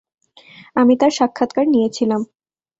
আমি তার সাক্ষাৎকার নিয়েছিলাম।